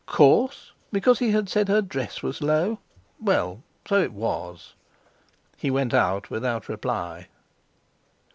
Coarse, because he had said her dress was low! Well, so it was! He went out without reply.